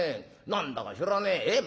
何だか知らねええ？